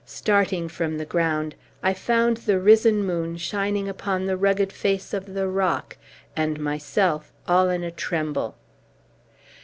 Starting from the ground, I found the risen moon shining upon the rugged face of the rock, and myself all in a tremble.